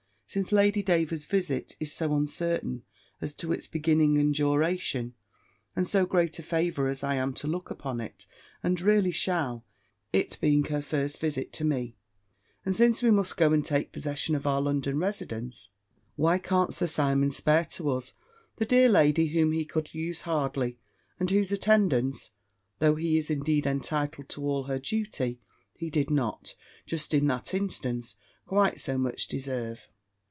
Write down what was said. Since Lady Davers's visit is so uncertain as to its beginning and duration, and so great a favour as I am to look upon it, and really shall, it being her first visit to me: and since we must go and take possession of our London residence, why can't Sir Simon spare to us the dear lady whom he could use hardly, and whose attendance (though he is indeed entitled to all her duty) he did not, just in that instance, quite so much deserve?